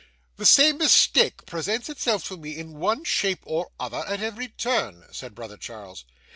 'The same mistake presents itself to me, in one shape or other, at every turn,' said brother Charles.